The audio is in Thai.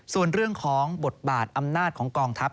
ส่วนเรื่องของบทบาทอำนาจของกองทัพ